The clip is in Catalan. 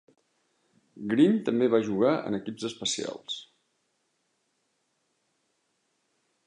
Green també va jugar en equips especials.